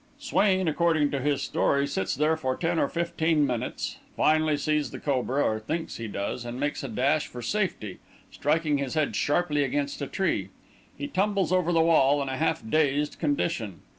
"Swain, according to his story, sits there for ten or fifteen minutes, finally sees the cobra, or thinks he does, and makes a dash for safety, striking his head sharply against a tree. He tumbles over the wall in a half dazed condition.